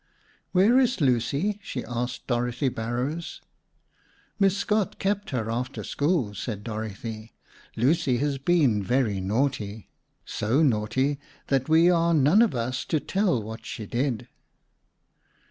"Where is Lucy?" she asked Dorothy Barrows. "Miss Scott kept her after school," said Dorothy. "Lucy has been very naughty, so naughty that we are none of us to tell what she did."